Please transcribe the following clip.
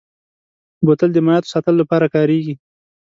بوتل د مایعاتو ساتلو لپاره کارېږي.